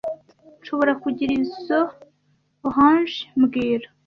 Nshobora kugira izoi orange mbwira